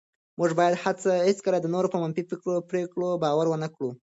موږ باید هېڅکله د نورو په منفي پرېکړو باور ونه کړو.